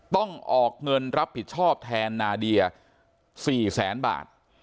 ต้องออกเงินรับผิดชอบแทนนาเดีย๔แสนบาท